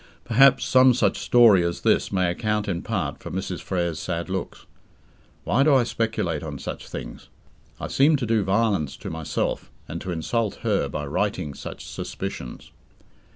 Perhaps some such story as this may account in part for Mrs. Frere's sad looks. Why do I speculate on such things? I seem to do violence to myself and to insult her by writing such suspicions.